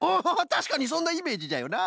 たしかにそんなイメージじゃよな。